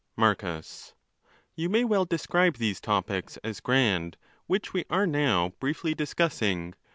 Marcus.—You may well describe these topics as grand, which we are now briefly discussing.